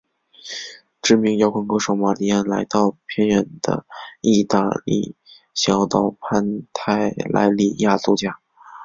知名摇滚歌手玛莉安来到偏远的义大利小岛潘泰莱里亚度假。